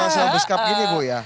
selesai beskap gini ya bu